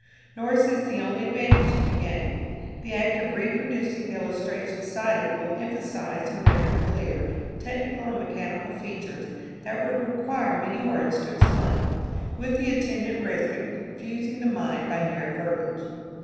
Nor is this the only advantage to be gained. The act of reproducing the illustration cited will emphasise and render clear technical and mechanical features that would require many words to explain, with the attendant risk of confusing the mind by mere verbiage.